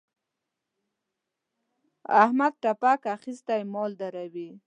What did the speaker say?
احمد تپاک اخيستی دی؛ مال ډېروي.